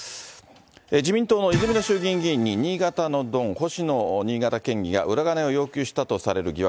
自民党の泉田衆議院議員に、新潟のドン、星野新潟県議が裏金を要求したとされる疑惑。